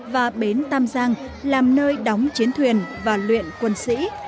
và bến tam giang làm nơi đóng chiến thuyền và luyện quân sĩ